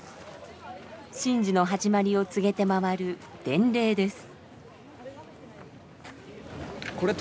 神事の始まりを告げて回る「伝令」です。